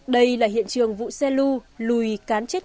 đây là hiện trường vụ xe lưu lùi cán chết